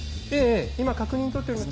今確認取っております。